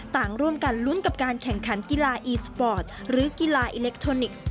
ต่างร่วมกันลุ้นกับการแข่งขันกีฬาอีสปอร์ตหรือกีฬาอิเล็กทรอนิกส์